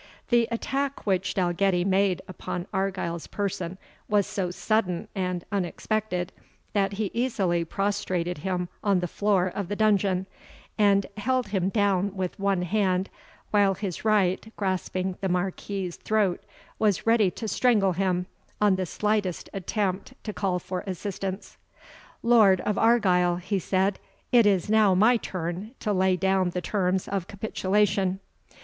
The attack which Dalgetty made upon Argyle's person was so sudden and unexpected, that he easily prostrated him on the floor of the dungeon, and held him down with one hand, while his right, grasping the Marquis's throat, was ready to strangle him on the slightest attempt to call for assistance. "Lord of Argyle," he said, "it is now my turn to lay down the terms of capitulation.